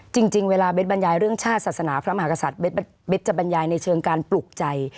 จริงเวลาเบสบรรยายเรื่องชาติศาสนาพระมหากษัตริย์เบสจะบรรยายในเชิงการปลูกใจ